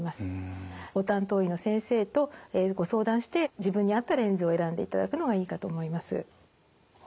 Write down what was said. ご担当医の先生とご相談して自分に合ったレンズを選んでいただくのがいいかと思います。